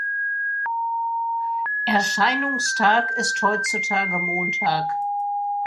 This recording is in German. Erscheinungstag ist heutzutage Montag.